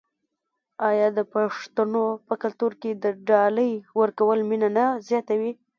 آیا د پښتنو په کلتور کې د ډالۍ ورکول مینه نه زیاتوي؟